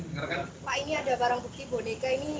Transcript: pak ini ada barang bukti boneka ini